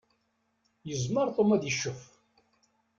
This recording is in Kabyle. Yezmer Tom ad iccef.